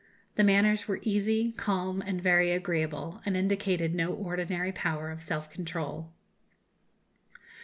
The manners were easy, calm, and very agreeable, and indicated no ordinary power of self control.